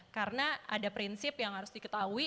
karena ada prinsip yang harus diketahui